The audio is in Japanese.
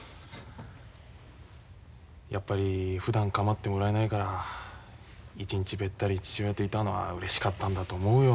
やっぱりふだん構ってもらえないから一日べったり父親といたのはうれしかったんだと思うよ。